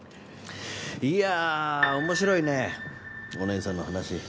いやあ面白いねお姉さんの話。